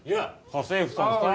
家政婦さん最高！